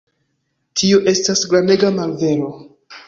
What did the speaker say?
Tio estas grandega malvero.